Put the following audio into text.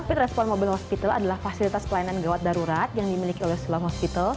tapi respon mobil hospital adalah fasilitas pelayanan gawat darurat yang dimiliki oleh silang hospital